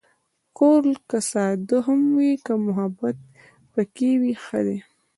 کور که ساده هم وي، که محبت پکې وي، ښه دی.